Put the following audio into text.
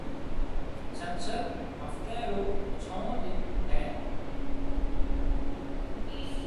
ڇنڇر هفتي رو ڇهون ڏن هيَ۔